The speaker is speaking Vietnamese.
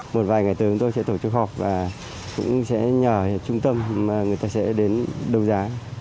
một vài ngày tới chúng tôi sẽ tổ chức họp và cũng sẽ nhờ trung tâm mà người ta sẽ đến đấu giá